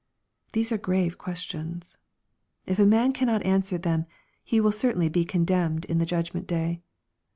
These are grave questions. If a man cannot answer them, he will cer tainly be condemned in the judgment day.